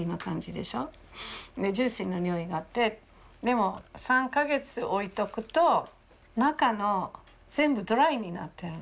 ジューシーな匂いがあってでも３か月置いておくと中の全部ドライになってるのね。